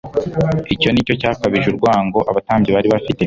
Icyo nicyo cyakajije urwango abatambyi bari bafite.